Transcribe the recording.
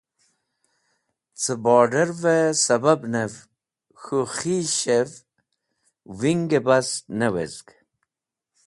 Cẽ bord̃arvẽ sẽbabnẽv k̃hũ khis̃hv wingẽ bas ne wezg.